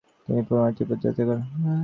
তিনি পুনরায় তিব্বত যাত্রা করেন।